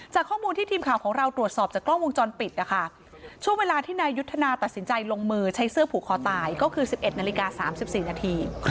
ข้อมูลที่ทีมข่าวของเราตรวจสอบจากกล้องวงจรปิดนะคะช่วงเวลาที่นายยุทธนาตัดสินใจลงมือใช้เสื้อผูกคอตายก็คือ๑๑นาฬิกา๓๔นาที